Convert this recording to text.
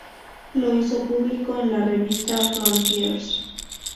Lo hizo público en la revista Frontiers.